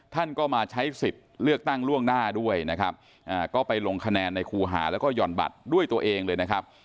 ท่านก็มาใช้สิทธิ์เลือกตั้งล่วงหน้าด้วยนะครับก็ไปลงคะแนนในครูหาแล้วก็ห่อนบัตรด้วยตัวเองเลยนะครับ